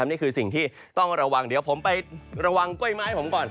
นี่คือสิ่งที่ต้องระวังเดี๋ยวผมไประวังกล้วยไม้ผมก่อน